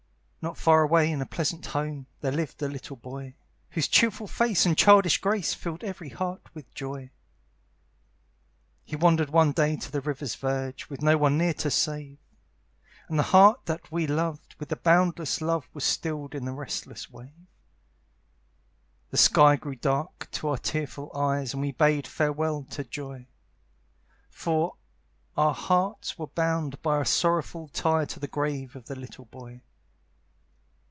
Not far away in a pleasant home, There lived a little boy, Whose cheerful face and childish grace Filled every heart with joy. He wandered one day to the river's verge, With no one near to save; And the heart that we loved with a boundless love Was stilled in the restless wave. The sky grew dark to our tearful eyes, And we bade farewell to joy; For our hearts were bound by a sorrowful tie To the grave of the little boy.